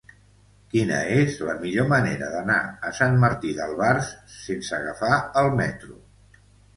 Quina és la millor manera d'anar a Sant Martí d'Albars sense agafar el metro?